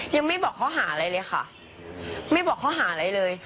ยังไม่บอกข้อหาอะไรเลยค่ะไม่บอกข้อหาอะไรเลย